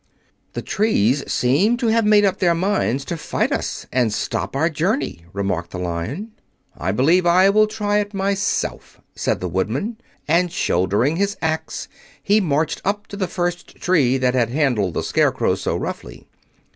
"The trees seem to have made up their minds to fight us, and stop our journey," remarked the Lion. "I believe I will try it myself," said the Woodman, and shouldering his axe, he marched up to the first tree that had handled the Scarecrow so roughly.